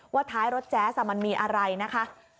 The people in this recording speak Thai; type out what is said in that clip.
ท้ายรถแจ๊สมันมีอะไรนะคะ